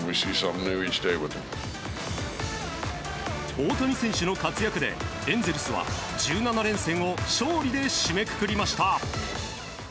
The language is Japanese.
大谷選手の活躍でエンゼルスは１７連戦を勝利で締めくくりました。